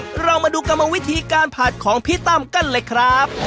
เรามาดูกรรมวิธีการผัดของพี่ตั้มกันเลยครับ